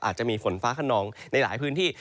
อาจจะมีฝนฟ้าขนองในหลายพื้นที่